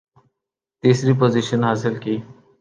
تیسری پوزیشن حاصل کی